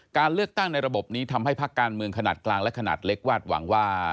การเลือกตั้งในระบบนี้ทำให้พักการเมืองขนาดกลางและขนาดเล็กวาดหวังว่า